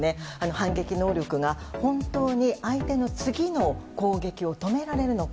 反撃能力が本当に相手の次の攻撃を止められるのか。